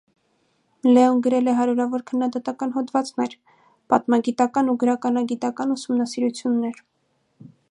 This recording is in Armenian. Լեոն գրել է հարյուրավոր քննադատական հոդվածներ, պատմագիտական ու գրականագիտական ուսումնասիրություններ։